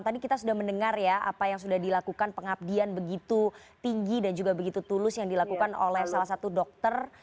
tadi kita sudah mendengar ya apa yang sudah dilakukan pengabdian begitu tinggi dan juga begitu tulus yang dilakukan oleh salah satu dokter